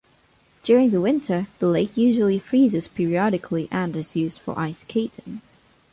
During the winter, the lake usually freezes periodically and is used for ice skating.